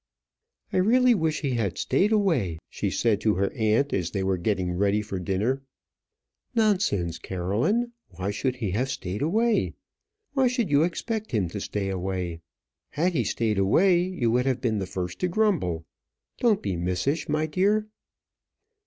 "I really wish he had stayed away," she said to her aunt as they were getting ready for dinner. "Nonsense, Caroline; why should he have stayed away? Why should you expect him to stay away? Had he stayed away, you would have been the first to grumble. Don't be missish, my dear."